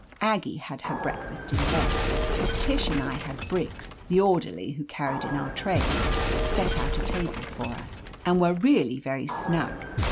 Aggie had her breakfast in bed, but Tish and I had Briggs, the orderly who carried in our trays, set out a table for us, and were really .very snug.